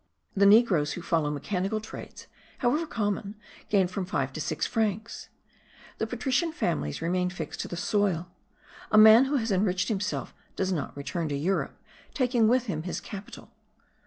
The negroes who follow mechanical trades, however common, gain from five to six francs. The patrician families remain fixed to the soil: a man who has enriched himself does not return to Europe taking with him his capital.